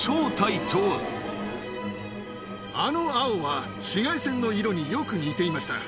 あの青は、紫外線の色によく似ていました。